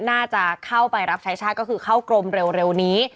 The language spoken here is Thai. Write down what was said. น่าจะเข้าไปรับใช้ชาติก็คือเข้ากรมเร็วนี้